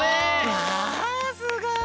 うわすごい。